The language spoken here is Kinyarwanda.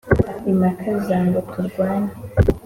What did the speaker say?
Impaka za ngo turwane,